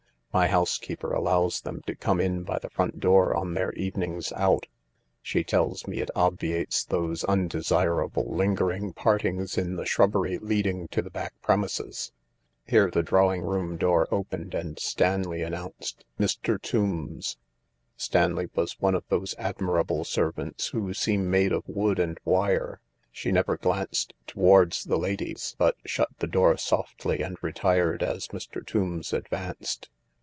My housekeeper allows them to come in by the front door on their evenings out ; she tells me it obviates those undesirable lingering partings in the shrubbery leading to the back premises." Here the drawing room door opened and Stanley an nounced " Mr. Tombs." Stanley was one of those admirable servants who seem made of wood and wire ; she never glanced towards the ladies, but shut the door softly and retired as Mr. Tombs advanced.